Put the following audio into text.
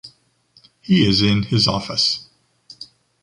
He is in his office.